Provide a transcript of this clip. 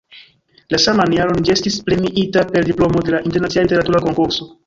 La saman jaron ĝi estis premiita per diplomo de la internacia literatura konkurso.